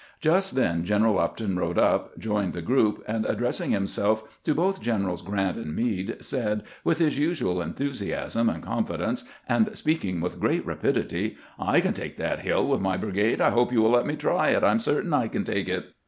Just then General Upton rode up, joined the group, and addressing himseK to both Generals Grant and Meade, said, with his usual enthusiasm and confidence, and speaking with great rapidity :" I can take that hiU with my brigade. I hope you will let me try it ; I 'm certain I can take it."